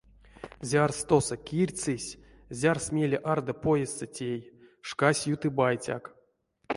Зярс тосо кирдьсызь, зярс мейле арды поездсэ тей — шкась юты байтяк.